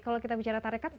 kalau kita bicara tarikat